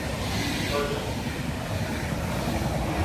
Herten.